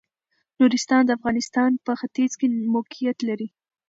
نورستان د افغانستان په ختيځ کې موقيعت لري.